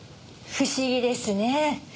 不思議ですね。